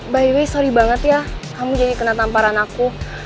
by we sorry banget ya kamu jadi kena tamparan aku